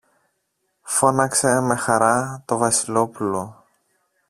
φώναξε με χαρά το Βασιλόπουλο.